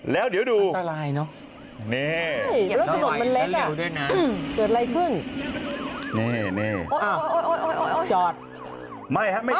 แล้วเดี๋ยวดูเฮ่ยรถถนนมันเล็กอ่ะเกิดอะไรขึ้นนี่